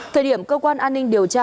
thời điểm cơ quan an ninh điều tra